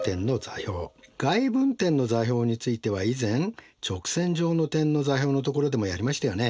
外分点の座標については以前直線上の点の座標のところでもやりましたよね。